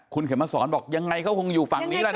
คุณเข็มมาสอนบอกยังไงเขาคงอยู่ฝั่งนี้แหละ